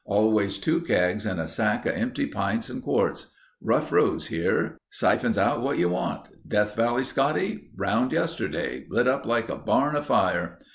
Always two kegs and a sack of empty pints and quarts. Rough roads here. Siphons out what you want. Death Valley Scotty? Around yesterday. Lit up like a barn afire."